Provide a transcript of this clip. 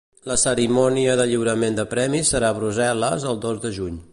La cerimònia de lliurament de premis serà a Brussel·les el dos de juny.